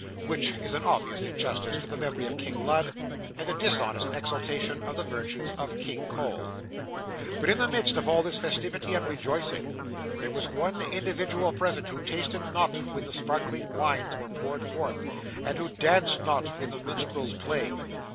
Which is an obvious injustice to the memory of King Lud, and a dishonest exaltation of the virtues of King Cole. 'But, in the midst of all this festivity and rejoicing, there was one individual present, who tasted not when the sparkling wines were poured forth, and who danced not, when the minstrels played.